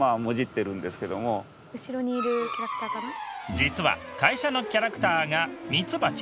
実は会社のキャラクターがミツバチ